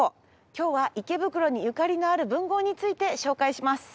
今日は池袋にゆかりのある文豪について紹介します。